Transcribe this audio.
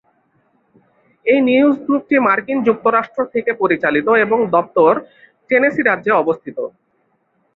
এই নিউজ গ্রুপটি মার্কিন যুক্তরাষ্ট্র থেকে পরিচালিত এবং দপ্তর টেনেসি রাজ্যে অবস্থিত।